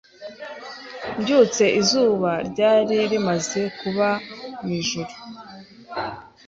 Mbyutse, izuba ryari rimaze kuba mwijuru.